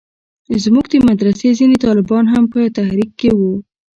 زموږ د مدرسې ځينې طالبان هم په تحريک کښې وو.